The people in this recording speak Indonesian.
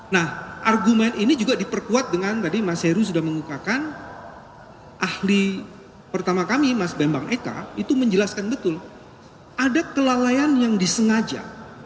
nah argumen ini juga diperkuat dengan tadi mas heru sudah mengukakan ahli pertama kami mas bambang eka itu menjelaskan betul ada kelalaian yang disengaja